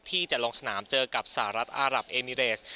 ที่จะลงสนามเจอกับสหรัฐอารับเอมิเรส